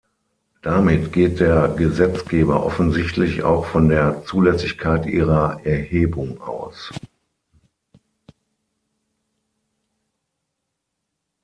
Damit geht der Gesetzgeber offensichtlich auch von der Zulässigkeit ihrer Erhebung aus.